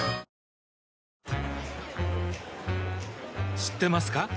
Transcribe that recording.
知ってますか？